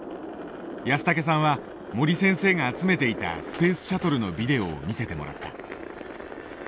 安竹さんは森先生が集めていたスペースシャトルのビデオを見せてもらった。